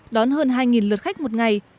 đón hơn hai lượt khách một ngày